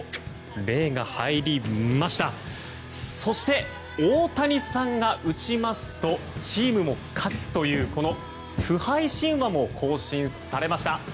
そして、大谷さんが打ちますとチームも勝つという不敗神話も更新されました。